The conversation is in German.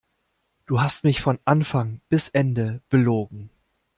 Du hast mich von Anfang bis Ende belogen.